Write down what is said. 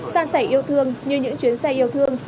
san sẻ yêu thương như những chuyến xe yêu thương